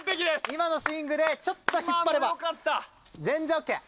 今のスイングでちょっと引っ張れば全然オッケー！